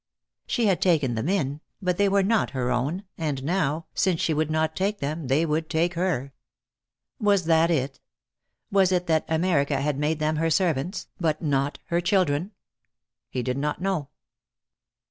She had taken them in, but they were not her own, and now, since she would not take them, they would take her. Was that it? Was it that America had made them her servants, but not her children? He did not know.